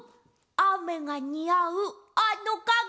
あめがにあうかげ。